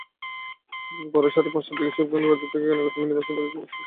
পরে সাড়ে পাঁচটার দিকে শিবগঞ্জ বাজার থেকে কেনাকাটা করে মিনিবাসযোগে বাড়ি ফিরছিলেন।